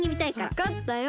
わかったよ。